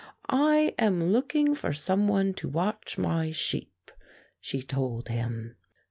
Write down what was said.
^" "I am looking for some one to watch my sheep," she told him.